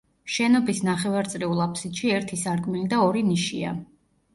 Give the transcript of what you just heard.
შენობის ნახევარწრიულ აფსიდში ერთი სარკმელი და ორი ნიშია.